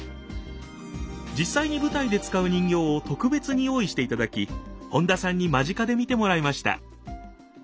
実際に舞台で遣う人形を特別に用意していただき本田さんに間近で見てもらいました。